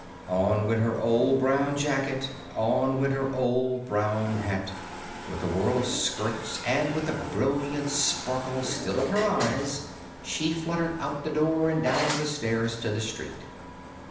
On went her old brown jacket; on went her old brown hat. With a whirl of skirts and with the brilliant sparkle still in her eyes, she fluttered out the door and down the stairs to the street.